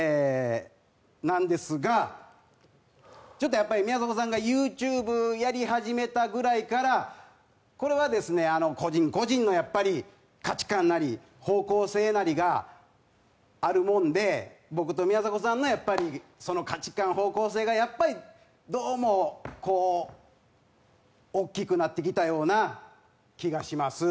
なんですが、ちょっとやっぱり、宮迫さんがユーチューブやり始めたぐらいから、これはですね、個人個人のやっぱり価値観なり、方向性なりがあるもんで、僕と宮迫さんのやっぱり、その価値観、方向性がやっぱりどうも、大きくなってきたような気がします。